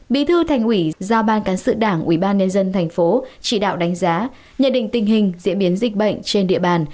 bí thư thành ủy do ban cán sự đảng ubnd tp chỉ đạo đánh giá nhận định tình hình diễn biến dịch bệnh trên địa bàn